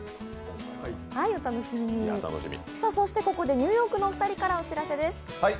ここでニューヨークのお二人からお知らせです。